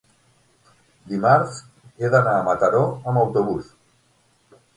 dimarts he d'anar a Mataró amb autobús.